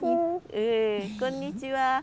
こんにちは。